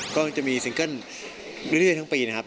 ก็จะมีซิงเกิ้ลเรื่อยทั้งปีนะครับ